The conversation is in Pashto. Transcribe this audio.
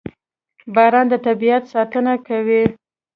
• باران د طبیعت ساتنه کوي.